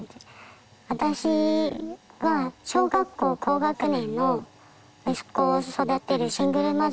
私は小学校高学年の息子を育てるシングルマザーです。